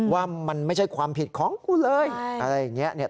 ว่ามันไม่ใช่ความผิดของกูเลยอะไรอย่างนี้